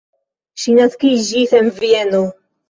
Ŝi naskiĝis en Vieno.